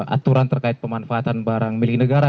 aturan terkait pemanfaatan barang milik negara